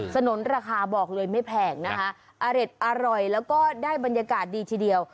สนุนราคาบอกเลยไม่แพงนะคะอร่อยแล้วก็ได้บรรยากาศดีทีเดียว